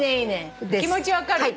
気持ち分かる。